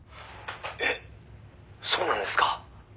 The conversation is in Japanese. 「えっそうなんですか？」